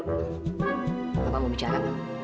papa mau bicara